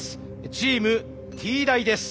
チームＴ大です。